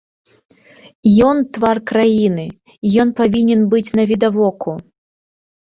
Ён твар краіны, ён павінен быць навідавоку.